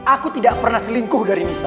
aku tidak pernah selingkuh dari misal